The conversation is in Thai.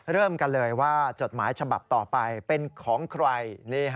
เริ่มกันเลยว่าจดหมายฉบับต่อไปเป็นของใคร